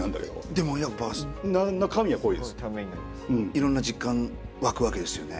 いろんな実感湧くわけですよね。